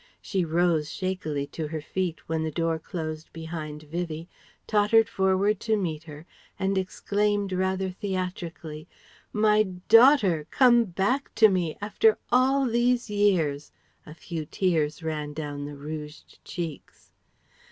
She rose shakily to her feet, when the door closed behind Vivie, tottered forward to meet her, and exclaimed rather theatrically "My daughter ... come back to me ... after all these years!" (a few tears ran down the rouged cheeks).